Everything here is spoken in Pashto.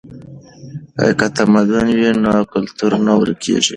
که تمدن وي نو کلتور نه ورکیږي.